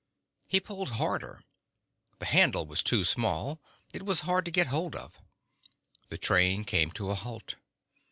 He pulled harder. The handle was too small; it was hard to get hold of. The train came to a halt.